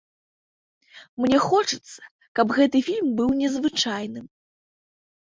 Мне хочацца, каб гэты фільм быў незвычайным.